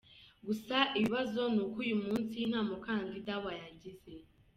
Gusa ikibazo ni uko uyu munsi nta mukandida wayagize.